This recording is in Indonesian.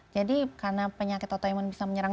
karena penyakit autoimun bisa menyerang